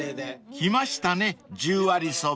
［来ましたね十割蕎麦］